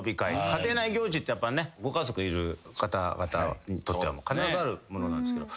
家庭内行事ってやっぱねご家族いる方々にとっては必ずあるものなんですけど。